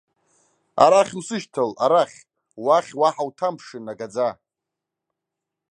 Арахь усышьҭал, арахь, уахь уаҳа уҭамԥшын, агаӡа!